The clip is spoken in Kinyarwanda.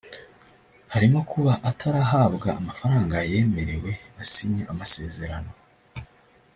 harimo kuba atarahabwa amafaranga yemerewe asinya amasezerano